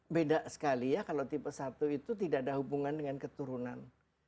beda sekali ya kalau tipe satu itu tidak ada hubungan dengan keturunan